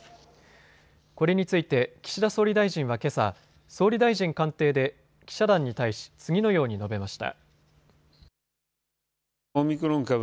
これについて岸田総理大臣はけさ、総理大臣官邸で記者団に対し次のように述べました。